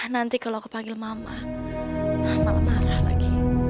nanti kalau aku panggil mama malah marah lagi